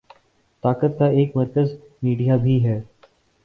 طاقت کا ایک مرکز میڈیا بھی ہے۔